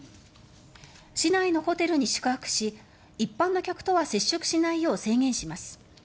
市内のホテルに宿泊し一般の客とは接触しないよう制限します。